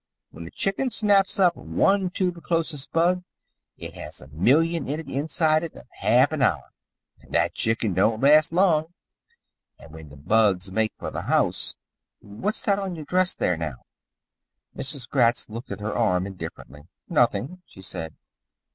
When a chicken snaps up one toober chlosis bug it has a million in it inside of half an hour and that chicken don't last long, and when the bugs make for the house What's that on your dress there now?" Mrs. Gratz looked at her arm indifferently. "Nothing," she said.